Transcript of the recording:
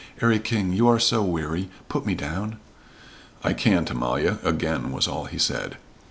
'Arry King, you are so weary put me down." "I can't, Amalia," again was all he said.